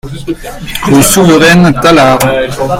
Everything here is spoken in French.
Rue Souveraine, Tallard